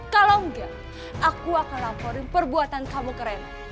kalau enggak aku akan laporin perbuatan kamu ke renan